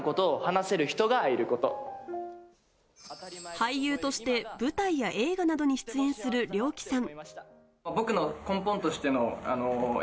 俳優として舞台や映画などに出演するリョウキさん。